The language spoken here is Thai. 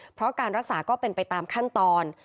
เพราะการรักษาก็เป็นไปตามขั้นตอน